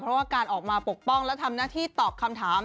เพราะว่าการออกมาปกป้องและทำหน้าที่ตอบคำถาม